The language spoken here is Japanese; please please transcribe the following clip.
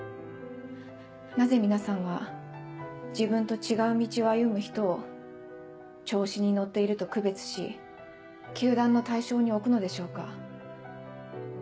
なぜ皆さんは自分と違う道を歩む人を調子に乗っていると区別し糾弾の対象に置くのでしょうか？